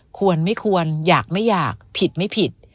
ควรไม่ควรอยากไม่อยากผิดไม่ผิด